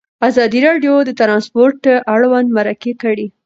ازادي راډیو د ترانسپورټ اړوند مرکې کړي.